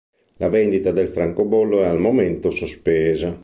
La vendita del francobollo è al momento sospesa.